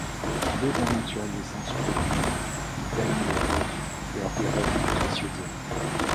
Deux aventuriers sans scrupules, Dany et Wolf, leur dérobent un précieux diamant.